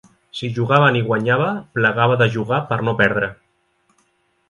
Si jugaven i guanyava, plegava de jugar per no perdre